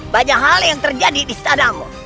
banyak hal yang terjadi di istanamu